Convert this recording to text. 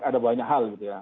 ada banyak hal gitu ya